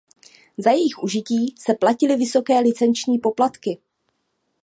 Za jejich užití se platily vysoké licenční poplatky.